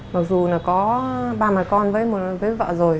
mặc dù có ba mặt con với vợ rồi